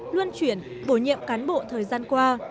luân chuyển bổ nhiệm cán bộ thời gian qua